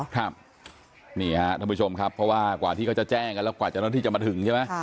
ครับนี่ฮะท่านผู้ชมครับเพราะว่ากว่าที่เขาจะแจ้งกันแล้วกว่าเจ้าหน้าที่จะมาถึงใช่ไหม